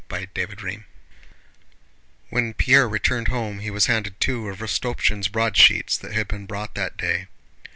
CHAPTER XVIII When Pierre returned home he was handed two of Rostopchín's broadsheets that had been brought that day.